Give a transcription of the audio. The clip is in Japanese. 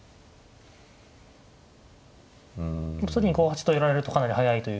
次に５八と寄られるとかなり速いという。